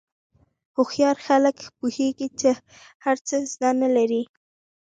هوښیار خلک پوهېږي چې هر څه زده نه لري.